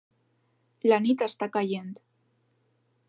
La nit està caient.